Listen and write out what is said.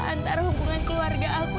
antara hubungan keluarga aku